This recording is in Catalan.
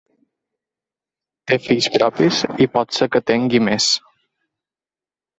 Té fills propis, i pot ser que tingui més.